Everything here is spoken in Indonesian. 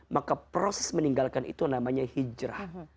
maka proses meninggalkan itu namanya hijrah